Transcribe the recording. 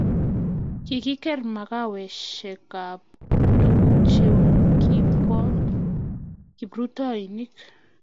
kikiker mikawesiekab tugul che kibo kiprutoinik